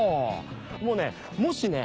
もうねもしね